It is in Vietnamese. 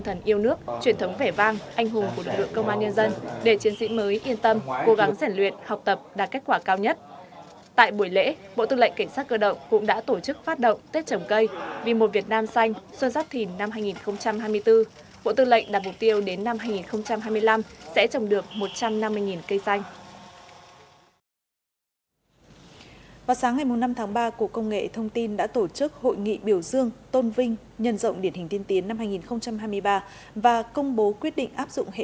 huấn luyện học tập đạt kết quả cao nhất tại buổi lễ bộ tư lệnh cảnh sát cơ động cũng đã tổ chức phát động tết trồng cây vì một việt nam xanh xuân sắp thìn năm hai nghìn hai mươi bốn bộ tư lệnh đạt mục tiêu đến năm hai nghìn hai mươi năm sẽ trồng được một trăm năm mươi cây xanh